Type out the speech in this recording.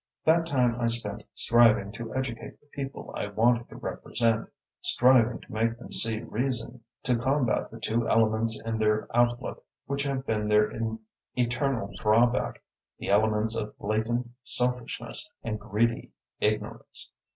That time I spent striving to educate the people I wanted to represent, striving to make them see reason, to combat the two elements in their outlook which have been their eternal drawback, the elements of blatant selfishness and greedy ignorance.